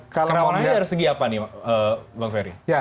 kerawanannya dari segi apa nih bang ferry